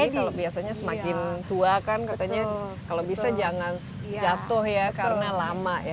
apalagi kalau biasanya semakin tua kan kalau bisa jangan jatuh ya karena lama